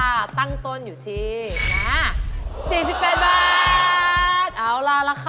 อาร์ดและก